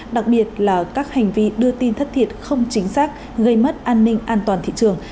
đặc biệt là các hành vi đưa tin thất thiệt không chính xác gây mất an ninh an toàn thị trường